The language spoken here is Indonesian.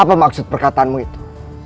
apa maksud perkataanmu itu